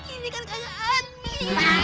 ini kan kagak aneh